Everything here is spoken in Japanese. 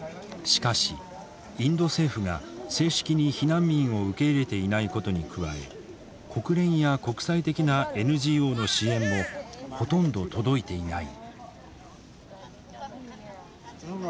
しかしインド政府が正式に避難民を受け入れていないことに加え国連や国際的なＮＧＯの支援もほとんど届いていない。